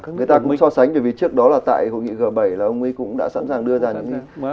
người ta mới so sánh bởi vì trước đó là tại hội nghị g bảy là ông ấy cũng đã sẵn sàng đưa ra những